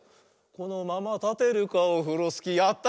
「このままたてるかオフロスキー」やった！